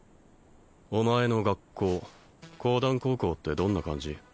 お前の学校講談高校ってどんな感じ？